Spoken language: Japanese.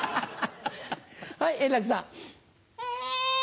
はい円楽さん。